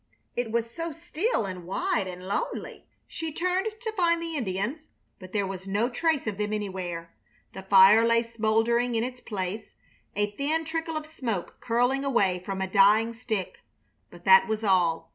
It was so still and wide and lonely. She turned to find the Indians, but there was no trace of them anywhere. The fire lay smoldering in its place, a thin trickle of smoke curling away from a dying stick, but that was all.